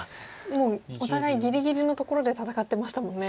もうお互いぎりぎりのところで戦ってましたもんね。